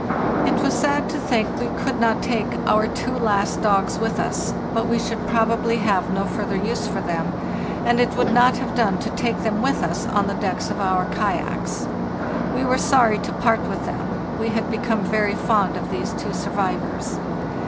"It was sad to think we could not take our two last dogs with us, but we should probably have no further use for them, and it would not have done to take them with us on the decks of our kayaks. We were sorry to part with them; we had become very fond of these two survivors.